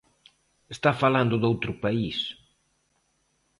Está falando doutro país.